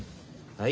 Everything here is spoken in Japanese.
はい。